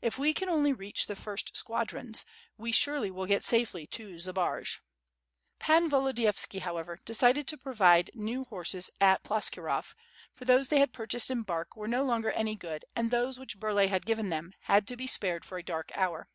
"If we can only reach the first squadrons, we surely will get safely to Zbaraj." Pan Volodiyovski, however, decided to provide new horses 672 WITH FIRE AND SWORD. at Ploskirov, for those they had purchased in Bark, were no longer any good, and those which Burlay had given them, had to be spared ior a dark hour.